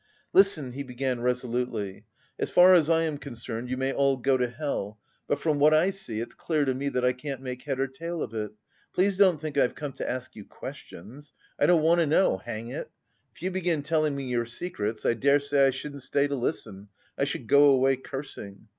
"Listen," he began resolutely. "As far as I am concerned, you may all go to hell, but from what I see, it's clear to me that I can't make head or tail of it; please don't think I've come to ask you questions. I don't want to know, hang it! If you begin telling me your secrets, I dare say I shouldn't stay to listen, I should go away cursing.